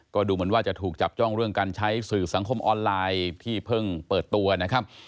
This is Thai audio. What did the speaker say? ก็ดูเหมือนว่าจะถูกจับจ้องเรื่องการใช้สื่อสังคมออนไลน์ที่เพิ่งเปิดตัวนะครับ